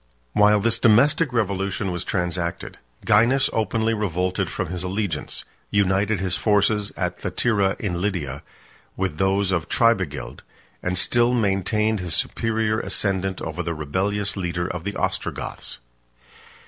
c. 6.] While this domestic revolution was transacted, Gainas 33 openly revolted from his allegiance; united his forces at Thyatira in Lydia, with those of Tribigild; and still maintained his superior ascendant over the rebellious leader of the Ostrogoths.